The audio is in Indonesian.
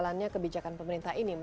terima kasih mbak sri dan ibu